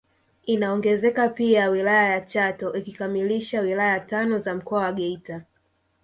Inaongezeka pia wilaya ya Chato ikikamilisha wilaya tano za Mkoa wa Geita